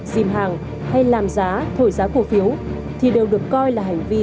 dìm hàng hay làm giá thổi giá cổ phiếu thì đều được coi là hành vi